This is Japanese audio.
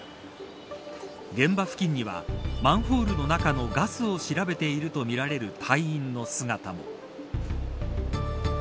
現場付近にはマンホールの中のガスを調べているとみられる隊員の姿も。